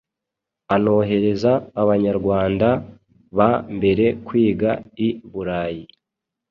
anohereza Abanyarwanda ba mbere kwiga i Burayi.